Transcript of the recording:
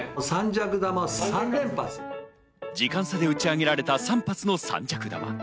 時間差で打ち上げられた３発の三尺玉。